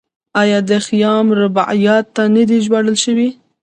آیا د خیام رباعیات نه دي ژباړل شوي؟